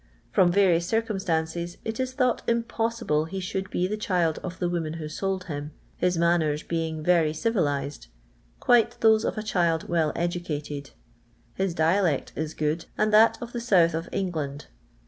From various circumstances, ! it is th'itight impossible he should be the child of the woman who sold him, his manners being * very j civiiixed," quite those of a child well educated'; I his dialect is good, and that of the south of Eng I land.